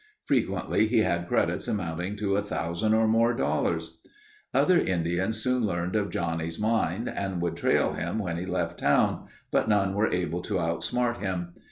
Frequently he had credits amounting to a thousand or more dollars. Other Indians soon learned of Johnnie's mine and would trail him when he left town, but none were able to outsmart him.